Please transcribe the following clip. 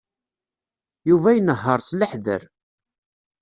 Yuba inehheṛ s leḥder.